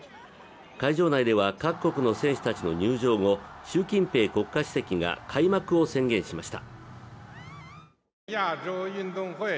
会場内では各国の選手たちの入場後、習近平国家主席が開幕を宣言しました。